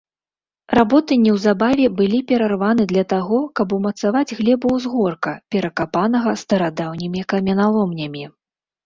Работы неўзабаве былі перарваны для таго, каб умацаваць глебу ўзгорка, перакапанага старадаўнімі каменяломнямі.